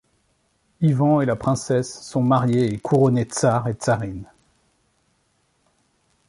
Ivan et la Princesse sont mariés et couronnés Tsar et Tsarine.